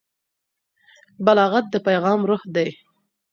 بلاغت د پیغام روح دی.